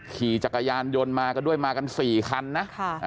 ขี่จักรยานยนต์มากันด้วยมากัน๔คันนะ